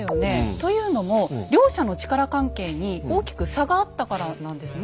というのも両者の力関係に大きく差があったからなんですね。